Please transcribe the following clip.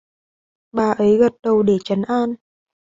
bà ấy gật đầu để chấn an